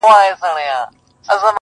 نوي هم ښه دي خو زه وامقاسم یاره,